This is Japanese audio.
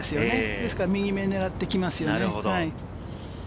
ですから右目を狙ってきますよね。